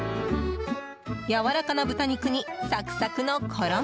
やわらかな豚肉にサクサクの衣。